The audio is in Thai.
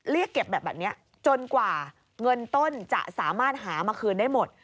เรียกเก็บแบบแบบนี้จนกว่าเงินต้นจะสามารถหามาคืนได้หมด